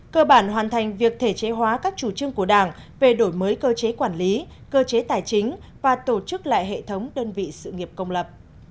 cơ bản hoàn thành việc thể chế hóa các chủ trương của đảng về đổi mới cơ chế quản lý cơ chế tài chính và tổ chức lại hệ thống đơn vị sự nghiệp công lập